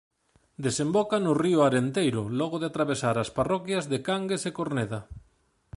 Desemboca no río Arenteiro logo de atravesar as parroquias de Cangues e Corneda.